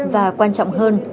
và quan trọng hơn